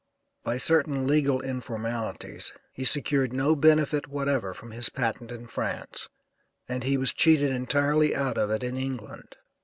By certain legal informalities he secured no benefit whatever from his patent in France and he was cheated entirely out of it in England.